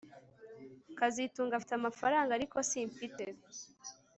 kazitunga afite amafaranga ariko simfite